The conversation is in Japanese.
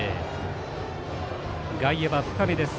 外野は深めです。